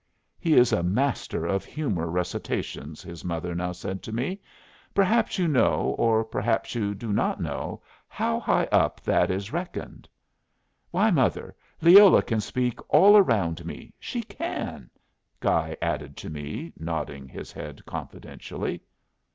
"He is a master of humor recitations," his mother now said to me. "Perhaps you know, or perhaps you do not know, how high up that is reckoned." "Why, mother, Leola can speak all around me. She can," Guy added to me, nodding his head confidentially.